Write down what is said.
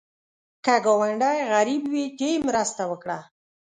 که ګاونډی غریب وي، ته یې مرسته وکړه